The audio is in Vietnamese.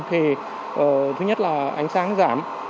thì thứ nhất là ánh sáng giảm